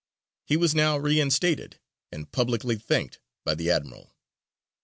He was now reinstated, and publicly thanked by the admiral.